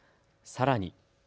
さらに。